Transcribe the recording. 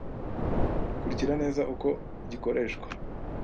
Kurikira neza uko gikoreshwa